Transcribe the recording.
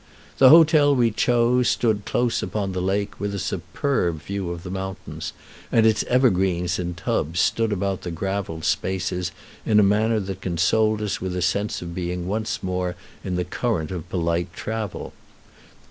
The hotel we chose stood close upon the lake, with a superb view of the mountains, and its evergreens in tubs stood about the gravelled spaces in a manner that consoled us with a sense of being once more in the current of polite travel.